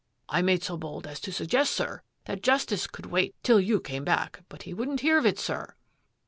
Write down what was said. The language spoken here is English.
I made so bold as to sug gest, sir, that justice could wait till you came back, but he wouldn't hear of it, sir."